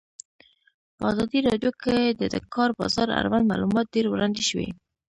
په ازادي راډیو کې د د کار بازار اړوند معلومات ډېر وړاندې شوي.